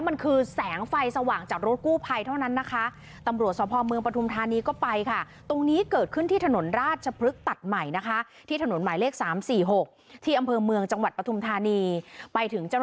มันคือแสงไฟสว่างจากรถกู้ภัยเท่านั้นนะคะ